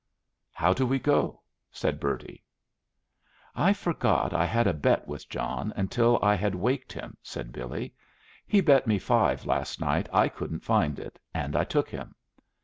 "How do we go?" said Bertie. "I forgot I had a bet with John until I had waked him," said Billy. "He bet me five last night I couldn't find it, and I took him.